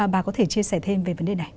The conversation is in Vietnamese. bà có thể chia sẻ thêm về vấn đề này